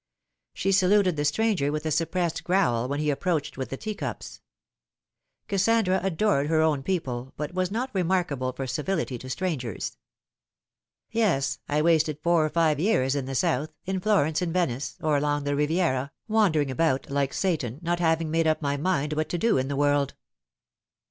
She saluted the stranger with a suppressed growl when he approached with the teacups. Kassandra adored her own people, but was not remarkable for civility to strangers. " Yes ; I wasted four or five years in the South in Florence, in Venice, or along the Riviera, wandering about like Satan, not having made up my mind what to do in the world."